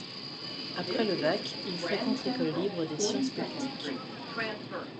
Après le bac, il fréquente l'École libre des sciences politiques.